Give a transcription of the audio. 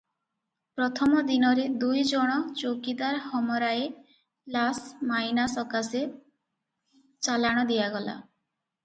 ପ୍ରଥମ ଦିନରେ ଦୁଇ ଜଣ ଚୌକିଦାର ହମରାଏ ଲାସ୍ ମାଇନା ସକାଶେ ଚାଲାଣ ଦିଆଗଲା ।